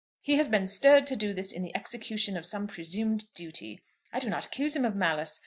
He has been stirred to do this in the execution of some presumed duty. I do not accuse him of malice.